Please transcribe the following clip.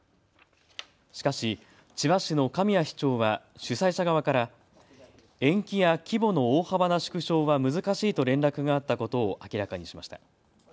しかし、千葉市の神谷市長は主催者側から延期や規模の大幅な縮小は難しいと連絡があったことを明らかにしました。